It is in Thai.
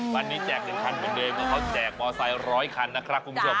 วันนี้แจก๑คันเหมือนเดิมเพราะเขาแจกมอไซค๑๐๐คันนะครับคุณผู้ชม